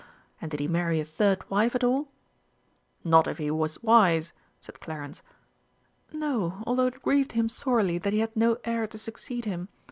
And did he marry a third wife at all?" "Not if he was wise!" said Clarence. "No, although it grieved him sorely that he had no heir to succeed him.